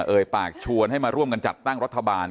ปากชวนให้มาร่วมกันจัดตั้งรัฐบาล